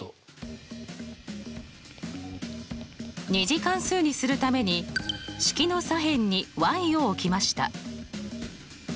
２次関数にするために式の左辺にを置きました。